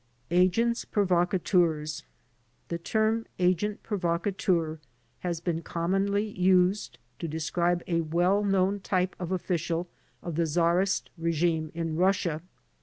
''Agents Provocateurs" m The term "agent provocateur" has been commonly used to describe a well known type of official of the czarist regime in Russia.